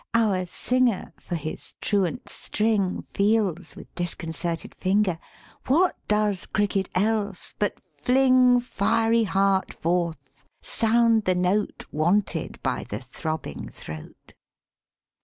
our singer For his truant string Feels with disconcerted finger, What does cricket else but fling Fiery heart forth, sound the note Wanted by the throbbing throat?